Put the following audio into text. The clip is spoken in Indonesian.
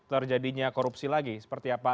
terjadinya korupsi lagi seperti apa